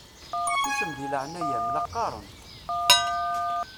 Susem deg leɛnaya-m la qqaṛent!